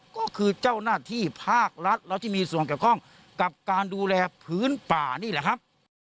ก็คือเจ้าหน้าที่ภาครัฐแล้วที่มีส่วนเกี่ยวข้องกับการดูแลพื้นป่านี่แหละครับ